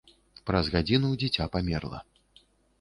Праз гадзіну дзіця памерла.